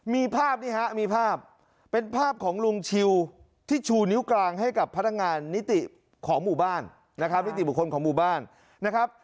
มีภาพนี่ฮะมีภาพเป็นภาพของลุงชิลที่ชูนิ้วกลางให้กับพนักงานนิติของหมู่บ้านนะครับ